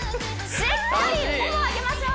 しっかりももを上げましょう！